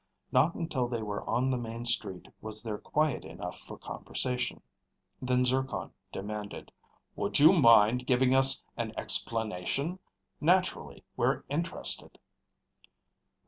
Not until they were on the main street was there quiet enough for conversation, then Zircon demanded, "Would you mind giving us an explanation? Naturally, we're interested."